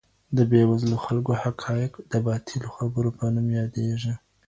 د بې وزلو خلګو حقایق د باطلو خبرو په نوم یادیږي.